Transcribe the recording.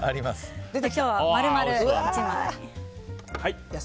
今日は丸々１枚。